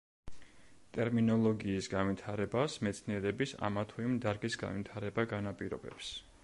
ტერმინოლოგიის განვითარებას მეცნიერების ამა თუ იმ დარგის განვითარება განაპირობებს.